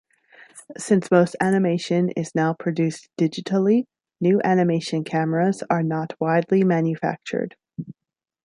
Since most animation is now produced digitally, new animation cameras are not widely manufactured.